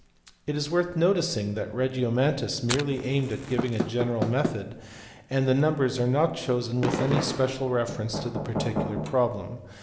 It is worth noticing that Regiomontanus merely aimed at giving a general method, and the numbers are not chosen with any special reference to the particular problem.